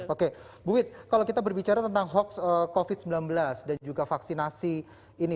oke bu wit kalau kita berbicara tentang hoax covid sembilan belas dan juga vaksinasi ini